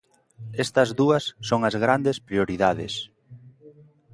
Estas dúas son as grandes prioridades.